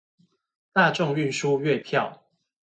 大眾運輸月票